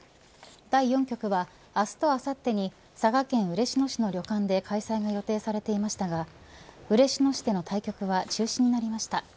第四局は明日とあさってに佐賀県嬉野市の旅館で開催が予定されていましたが嬉野市での対局は中止になりました。